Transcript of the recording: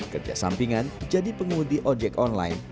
kerja sampingan jadi pengemudi gojek online